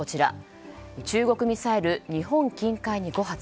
中国ミサイル、日本近海に５発。